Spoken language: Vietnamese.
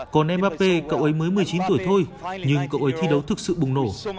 còn emap cậu ấy mới một mươi chín tuổi thôi nhưng cậu ấy thi đấu thực sự bùng nổ